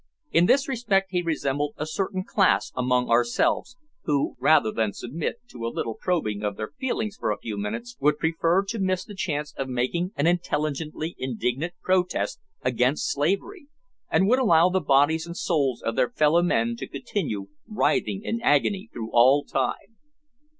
In this respect he resembled a certain class among ourselves, who, rather than submit to a little probing of their feelings for a few minutes, would prefer to miss the chance of making an intelligently indignant protest against slavery, and would allow the bodies and souls of their fellow men to continue writhing in agony through all time.